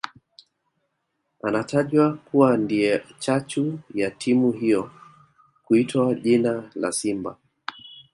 Anatajwa kuwa ndiye chachu ya timu hiyo kuitwa jina la Simba